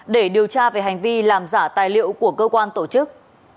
để điều tra về hành vi làm giả tài liệu của cơ quan tổ chức